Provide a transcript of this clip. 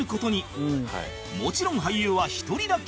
もちろん俳優は１人だけ